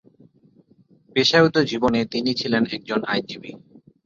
পেশাগত জীবনে তিনি ছিলেন একজন আইনজীবী।